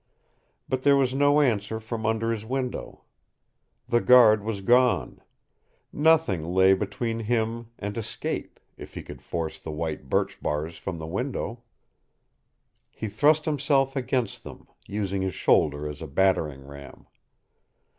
But there was no answer from under his window. The guard was gone. Nothing lay between him and escape if he could force the white birch bars from the window. He thrust himself against them, using his shoulder as a battering ram.